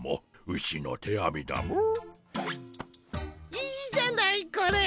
いいじゃないこれ。